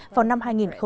vào năm hai nghìn ba mươi